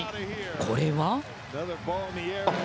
これは？